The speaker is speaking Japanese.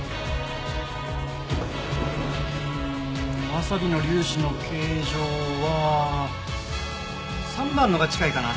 ワサビの粒子の形状は３番のが近いかな。